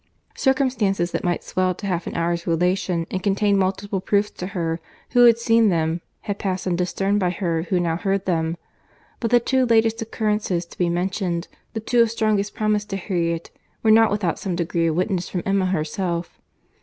Circumstances that might swell to half an hour's relation, and contained multiplied proofs to her who had seen them, had passed undiscerned by her who now heard them; but the two latest occurrences to be mentioned, the two of strongest promise to Harriet, were not without some degree of witness from Emma herself.